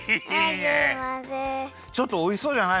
ちょっとおいしそうじゃない？